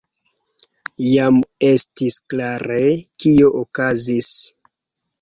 Jam estis klare, kio okazis.